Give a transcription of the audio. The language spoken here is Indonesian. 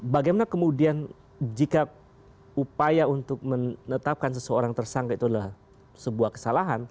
bagaimana kemudian jika upaya untuk menetapkan seseorang tersangka itu adalah sebuah kesalahan